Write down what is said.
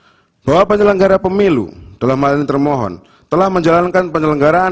hai bahwa penyelenggara pemilu dalam hal ini termohon telah menjalankan